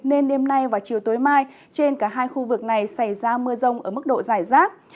nên đêm nay và chiều tối mai trên cả hai khu vực này xảy ra mưa rông ở mức độ giải rác